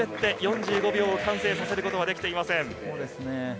２回滑って、４５秒完走させることはできていません。